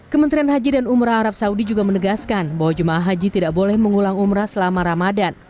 kementerian haji dan umroh arab saudi juga menegaskan bahwa jemaah haji tidak boleh mengulang umrah selama ramadan